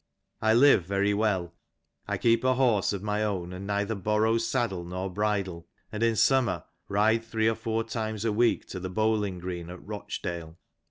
I live very well ; I keep a horse '^ of my own, and neither borrow saddle nor bridle, and in summer '* ride three or four times a week to the bowling green at Rochdale.